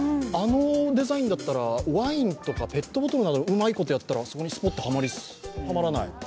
あのデザインだったら、ワインとかペットボトルとか、うまいことやったらそこにスポッとはまらない？